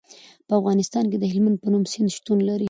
په افغانستان کې د هلمند په نوم سیند شتون لري.